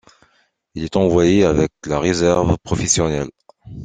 Il est envoyé avec la réserve professionnelle.